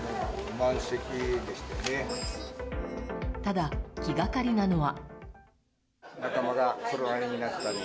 ただ気がかりなのは。